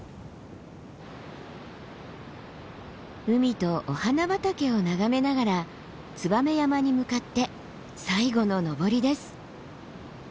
海とお花畑を眺めながらツバメ山に向かって最後の登りです。